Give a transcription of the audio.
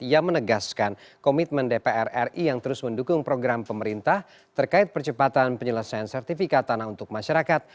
ia menegaskan komitmen dpr ri yang terus mendukung program pemerintah terkait percepatan penyelesaian sertifikat tanah untuk masyarakat